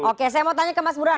oke saya mau tanya ke mas burhan